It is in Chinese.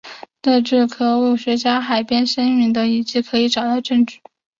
这在考古学家在海边先民的遗迹可以找到证据。